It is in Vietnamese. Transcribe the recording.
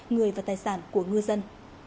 người và tài sản của ngư dân